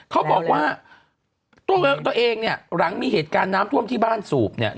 เขาบอกว่าตัวเองเนี่ยหลังมีเหตุการณ์น้ำท่วมที่บ้านสูบเนี่ย